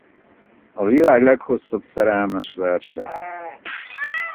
A világ leghosszabb szerelmes verse.